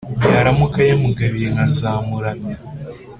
Yaramuka yamugabiye nkazamuramya.